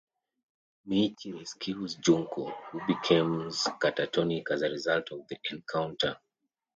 Michi rescues Junko, who becomes catatonic as a result of the encounter.